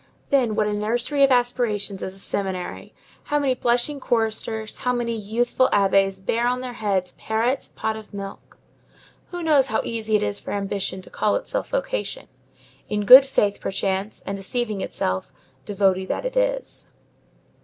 Then what a nursery of aspirations is a seminary! How many blushing choristers, how many youthful abbés bear on their heads Perrette's pot of milk! Who knows how easy it is for ambition to call itself vocation? in good faith, perchance, and deceiving itself, devotee that it is.